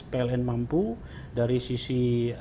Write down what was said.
pln mampu dari sisi